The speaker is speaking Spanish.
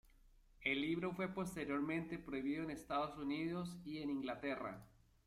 El libro fue posteriormente prohibido en Estados Unidos y en Inglaterra.